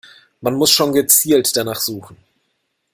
Man muss schon gezielt danach suchen.